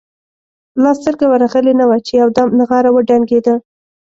لا سترګه ورغلې نه وه چې یو دم نغاره وډنګېده.